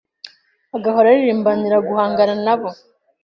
agahora ahirimbanira guhangana na bo